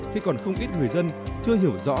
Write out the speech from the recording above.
khi còn không ít người dân chưa hiểu rõ